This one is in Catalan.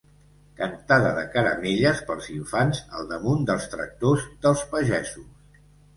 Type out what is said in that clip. Cantada de caramelles pels infants al damunt dels tractors dels pagesos.